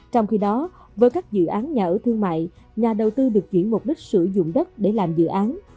trong khi đó với các dự án nhà ở thương mại nhà đầu tư được chuyển mục đích sử dụng đất để làm dự án